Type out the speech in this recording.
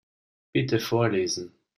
Bitte vorlesen.